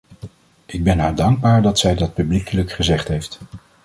Ik ben haar dankbaar dat zij dat publiekelijk gezegd heeft.